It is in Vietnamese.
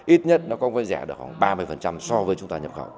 ít nhất nó không phải rẻ được khoảng ba mươi so với chúng ta nhập khẩu